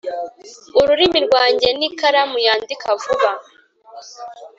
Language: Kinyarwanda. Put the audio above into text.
Ururimi rwanjye ni ikaramu yandika vuba